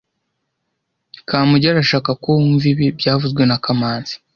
Kamugi arashaka ko wumva ibi byavuzwe na kamanzi